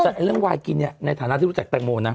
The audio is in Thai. แต่เรื่องวายกินเนี่ยในฐานะที่รู้จักแตงโมนะ